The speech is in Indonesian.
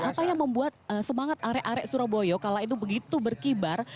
apa yang membuat semangat arek arek surabaya kala itu begitu berkibar